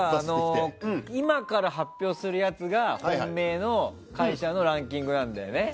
今から発表するやつが本命の会社のランキングなんだよね。